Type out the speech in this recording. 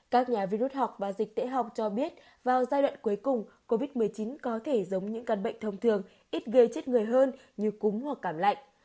các nhà virus học và dịch tễ học cho biết vào giai đoạn cuối cùng covid một mươi chín có thể giống những căn bệnh thông thường ít gây chết người hơn như cúng hoặc cảm lạnh